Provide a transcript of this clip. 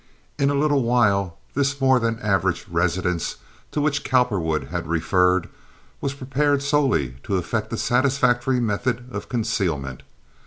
In a little while this more than average residence to which Cowperwood had referred was prepared solely to effect a satisfactory method of concealment.